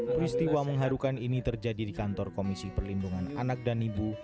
peristiwa mengharukan ini terjadi di kantor komisi perlindungan anak dan ibu